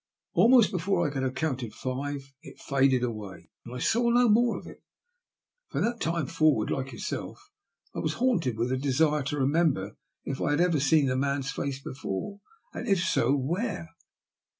Almost before I could have counted five it faded away, and I saw no more of it. From that time forward, like yourself, I was haunted with the desire to remember if I had ever seen the man's face before, and, if so, where.